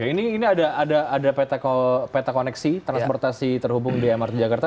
ini ada peta koneksi transportasi terhubung di mrt jakarta